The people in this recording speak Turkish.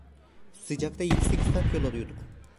Sıcakta yedi sekiz saat yol alıyorduk.